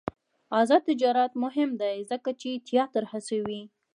آزاد تجارت مهم دی ځکه چې تیاتر هڅوي.